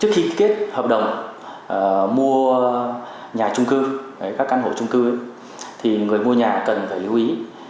khi mua nhà trung cư các căn hộ trung cư thì người mua nhà cần phải lưu ý